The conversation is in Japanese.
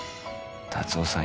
達雄さん